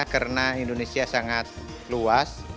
karena indonesia sangat luas